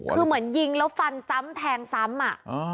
คือเหมือนยิงแล้วฟันซ้ำแทงซ้ำอ่ะ